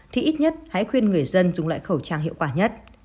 thì ít nhất hãy khuyên người dân dùng loại khẩu trang hiệu quả nhất